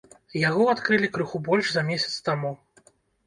Яго адкрылі крыху больш за месяц таму.